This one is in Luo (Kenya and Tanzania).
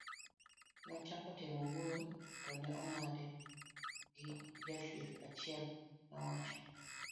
nochako temo wuoyo to ne ong'ade gi jachieth achiel manowacho